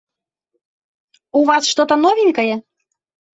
У Вас что-то новенькое?